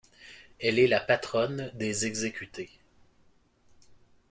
Elle est la patronne des exécutés.